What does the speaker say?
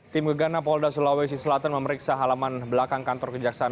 tim geganapolda sulawesi selatan memeriksa halaman belakang kantor kejaksaan